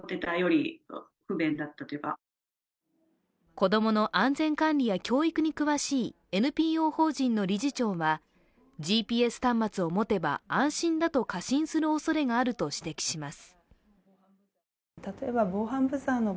子供の安全管理や教育に詳しいＮＰＯ法人の理事長はＧＰＳ端末を持てば安心だと過信するおそれがあると指摘します。